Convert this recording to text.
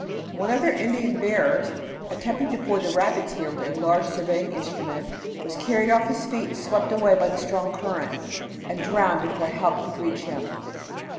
One of their Indian bearers, attempting to ford the rapids here with a large surveying instrument, was carried off his feet, swept away by the strong current, and drowned before help could reach him.